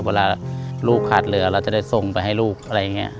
เวลาลูกขาดเรือเราจะได้ส่งไปให้ลูกอะไรอย่างนี้